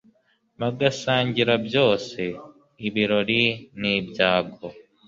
bagasangira byose, ibirori n'ibyago.